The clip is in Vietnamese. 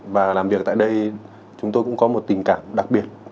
và làm việc tại đây chúng tôi cũng có một tình cảm đặc biệt